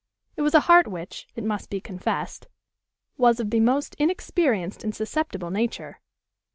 It was a heart which, it must be confessed, was of the most inexperienced and susceptible nature.